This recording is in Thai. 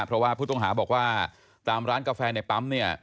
เพราะว่าผู้ต้องหาบอกว่าตามร้านกาแฟในปั๊มเนี่ย